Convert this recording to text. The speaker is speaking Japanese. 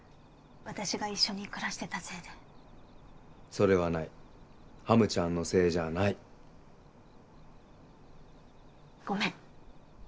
私が一緒に暮らしてたせいでそれはないハムちゃんのせいじゃないごめん